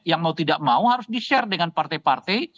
yang mau tidak mau harus di share dengan partai partai